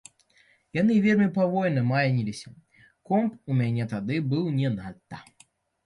Яны вельмі павольна майніліся, комп у мяне тады быў не надта.